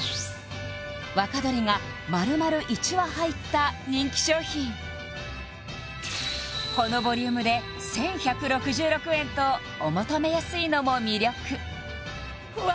若鶏が丸々１羽入った人気商品このボリュームで１１６６円とお求めやすいのも魅力うわ